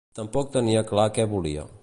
Tampoc tenia clar què volia.